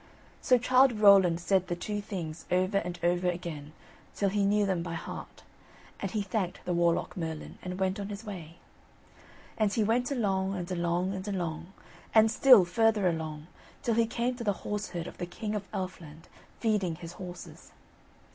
So Childe Rowland said the two things over and over again, till he knew them by heart, and he thanked the Warlock Merlin and went on his way. And he went along, and along, and along, and still further along, till he came to the horse herd of the King of Elfland feeding his horses.